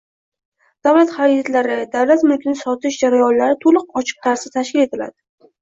Davlat xaridlari, davlat mulkini sotish jarayonlari to‘liq ochiq tarzda tashkil etiladi